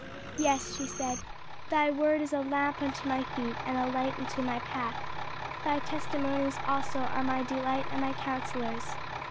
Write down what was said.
"Yes," she said, "'Thy word is a lamp unto my feet, and a light unto my path;' 'Thy testimonies also are my delight and my counsellors.'